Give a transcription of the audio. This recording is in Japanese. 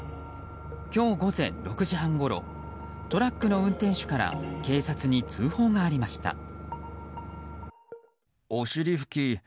今日午前６時半ごろトラックの運転手から警察に通報がありました。